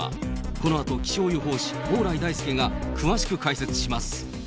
このあと気象予報士、蓬莱大介が詳しく解説します。